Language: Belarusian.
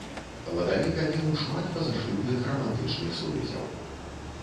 Ладавіка меў шмат пазашлюбных рамантычных сувязяў.